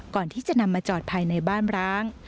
ก่อนที่จะนำมาจอดภายในบ้านร้าง